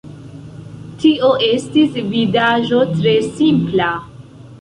Tio estis vidaĵo tre simpla.